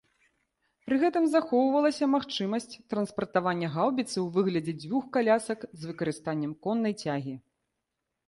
Пры гэтым захоўвалася магчымасць транспартавання гаўбіцы ў выглядзе дзвюх калясак з выкарыстаннем коннай цягі.